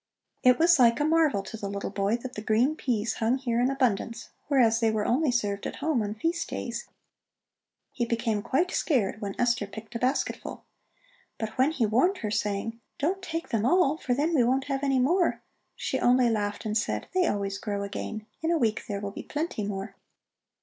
It was like a marvel to the little boy that the green peas hung here in abundance, whereas they were only served at home on feast days. He became quite scared when Esther picked a basketful. But when he warned her, saying, "Don't take them all, for then we won't have any more," she only laughed and said: "They always grow again; in a week there will be plenty more."